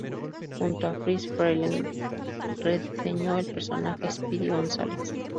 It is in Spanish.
Junto a Friz Freleng rediseñó al personaje Speedy González.